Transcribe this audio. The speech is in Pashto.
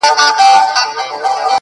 اور د میني بل نه وي بورا نه وي-